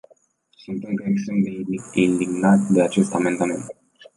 Sunt încă extrem de indignat de acest amendament.